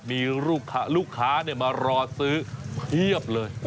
มีลูกค้ามารอซื้อเพียบเลย